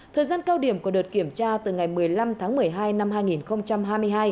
thời gian cao điểm của đợt kiểm tra từ ngày một mươi năm tháng một mươi hai năm hai nghìn hai mươi hai